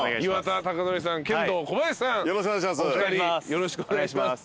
よろしくお願いします。